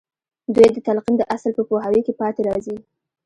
دوی د تلقين د اصل په پوهاوي کې پاتې راځي.